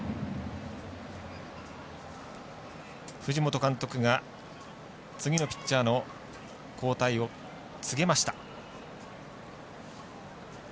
藤本監督が、次のピッチャーの交代を告げました。